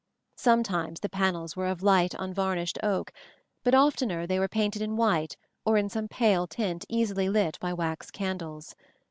Sometimes the panels were of light unvarnished oak, but oftener they were painted in white or in some pale tint easily lit by wax candles.